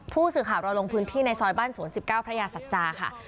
ผู้สื่อข่าวเราลงพื้นที่ในซอยบ้านสวน๑๙พระยาสัจจาค่ะ